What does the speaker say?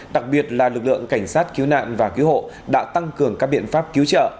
đặc biệt là lực lượng cảnh sát cứu nạn và cứu hộ đã tăng cường các biện pháp cứu trợ